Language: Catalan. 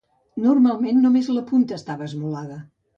Normalment només la punta estava esmolada.